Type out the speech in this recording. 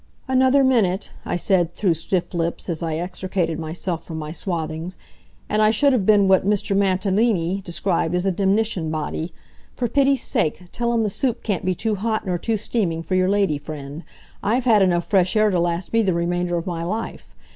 "Another minute," I said, through stiff lips, as I extricated myself from my swathings, "and I should have been what Mr. Mantalini described as a demnition body. For pity's sake, tell 'em the soup can't be too hot nor too steaming for your lady friend. I've had enough fresh air to last me the remainder of my life.